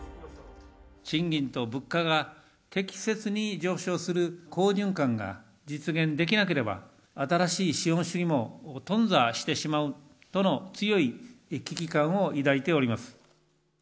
賃金と物価が適切に上昇する好循環が実現できなければ、新しい資本主義も頓挫してしまうとの強い危機感を抱いております。